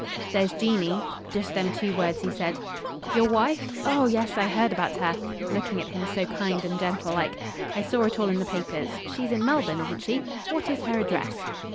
'There's Jeanie,' just them two words he said. 'Your wife? Oh yes, I heard about her,' looking at him so kind and gentle like. 'I saw it all in the papers. She's in Melbourne, isn't she? What is her address?'